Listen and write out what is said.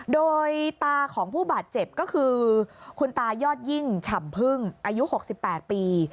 โดยตาของผู้บาดเจ็บก็คือคุณตายอดยิ่งฉ่ำพึ่งอายุ๖๘ปี